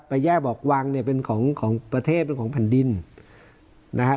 แยกออกวังเนี่ยเป็นของของประเทศเป็นของแผ่นดินนะครับ